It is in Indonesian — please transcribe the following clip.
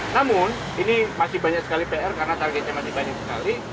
namun ini masih banyak sekali pr karena targetnya masih banyak sekali